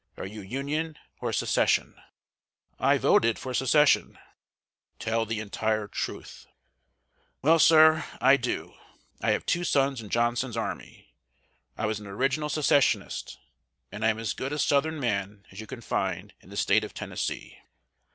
Are you Union or Secession?" "I voted for Secession." "Tell the entire truth." "Well, sir, I do; I have two sons in Johnson's army. I was an original Secessionist, and I am as good a Southern man as you can find in the State of Tennessee."